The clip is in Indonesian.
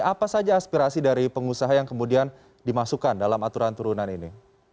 apa saja aspirasi dari pengusaha yang kemudian dimasukkan dalam aturan turunan ini